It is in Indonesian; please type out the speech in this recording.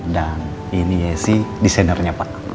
dan ini ya si desainernya pak